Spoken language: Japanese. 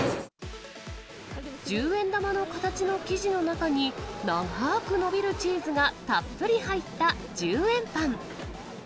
十円玉の形の生地の中に、長ーく伸びるチーズがたっぷり入った１０円パン。